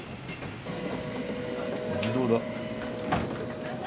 自動だ。